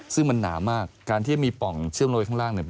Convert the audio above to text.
ซึ่งมันหนามากการที่มีป่องเชื่อมโยงข้างล่างเนี่ย